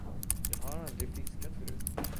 Jag har aldrig fiskat förut.